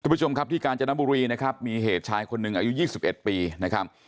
ผู้ชมครับที่กาญจนบุรีนะครับมีเหตุชายคนหนึ่งอายุ๒๑ปีนะครับ